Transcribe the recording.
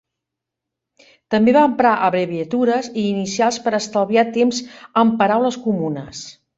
També va emprar abreviatures i inicials per a estalviar temps amb paraules comunes.